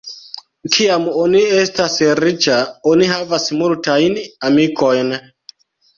Kiam oni estas riĉa, oni havas multajn amikojn.